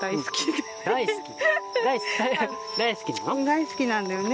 大好きなんだよね？